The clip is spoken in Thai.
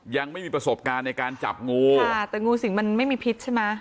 ยังไม่มีประสบการณ์ในการจับงูค่ะแต่งูสิงมันไม่มีพิษใช่ไหม